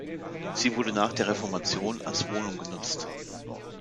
Sie wurde nach der Reformation als Wohnung genutzt.